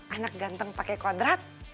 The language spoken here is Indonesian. anak ganteng pakai kodrat